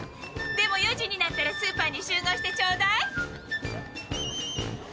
でも４時になったらスーパーに集合してちょうだい。